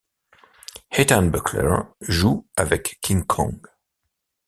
Ethan Buckler joue avec King Kong.